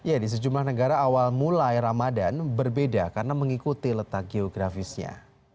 ya di sejumlah negara awal mulai ramadan berbeda karena mengikuti letak geografisnya